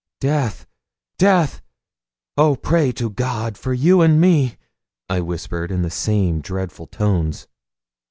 'Death! death! Oh, pray to God for you and me!' I whispered in the same dreadful tones.